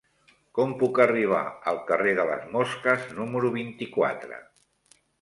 Com puc arribar al carrer de les Mosques número vint-i-quatre?